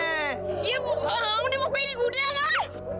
ya bukannya mau gue ini gudek